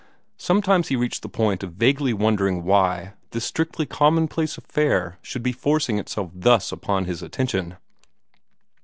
Sometimes he reached the point of vaguely wondering why this strictly commonplace affair should be forcing itself thus upon his attention.